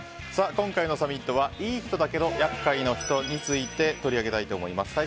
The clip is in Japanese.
今回のサミットはいい人だけど厄介な人について取り上げたいと思います。